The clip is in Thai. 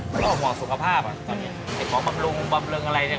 แบบต้องว่าสุขภาพไอล์พองบำรุงอะไรเนี่ย